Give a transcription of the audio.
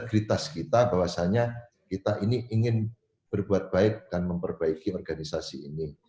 integritas kita bahwasanya kita ini ingin berbuat baik dan memperbaiki organisasi ini